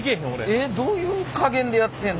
えっどういう加減でやってんの？